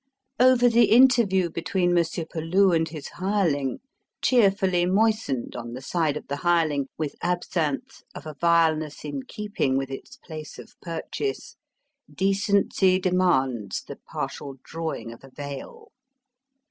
Over the interview between Monsieur Peloux and his hireling cheerfully moistened, on the side of the hireling, with absinthe of a vileness in keeping with its place of purchase decency demands the partial drawing of a veil.